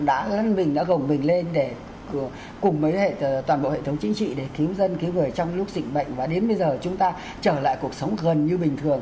nhân dân mình đã gồng mình lên để cùng với toàn bộ hệ thống chính trị để kiếm dân kiếm người trong lúc dịch bệnh và đến bây giờ chúng ta trở lại cuộc sống gần như bình thường